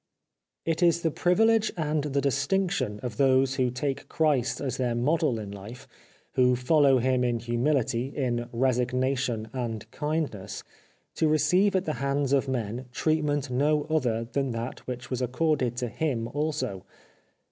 It is the privilege and the distinction of those who take Christ as their model in life, who follow Him in humility, in resignation, and kind ness, to receive at the hands of men treatment no other than that which was accorded to Him also.